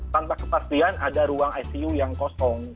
tanpa kepastian ada ruang icu yang kosong